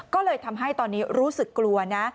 ก็เลยทำให้ตอนนี้รู้สึกกลัวนะ